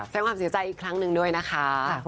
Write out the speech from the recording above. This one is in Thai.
แสดงความเสียใจอีกครั้งหนึ่งด้วยนะคะ